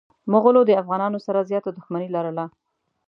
مغولو د افغانانو سره زياته دښمني لرله.